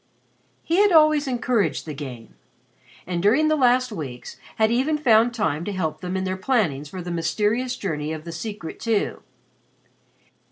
He had always encouraged "the game," and during the last weeks had even found time to help them in their plannings for the mysterious journey of the Secret Two.